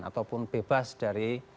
ataupun bebas dari